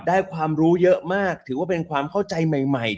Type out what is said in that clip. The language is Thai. ความรู้เยอะมากถือว่าเป็นความเข้าใจใหม่